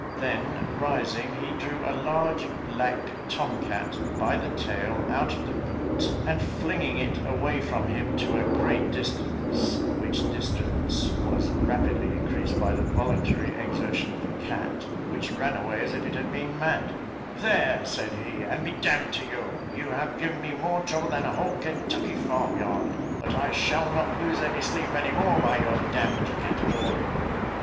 Then rising, he drew a large, black, tom cat, by the tail, out of the boot, and flinging it away from him to a great distance, which distance was rapidly increased by the voluntary exertion of the cat, which ran away as if it had been mad, "There," said he, "and be d d to you, you have given me more trouble than a whole Kentucky farm yard; but I shall not lose my sleep any more, by your d d caterwauling."